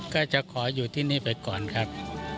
ก็จะขออยู่ที่นี่ไปก่อนครับ